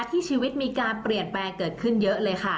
ที่ชีวิตมีการเปลี่ยนแปลงเกิดขึ้นเยอะเลยค่ะ